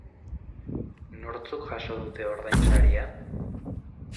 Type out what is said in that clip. Nortzuk jaso dute ordainsaria?